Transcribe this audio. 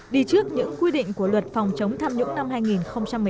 đi trước những quy định của luật phòng chống tham nhũng năm hai nghìn một mươi tám